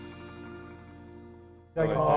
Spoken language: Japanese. いただきます。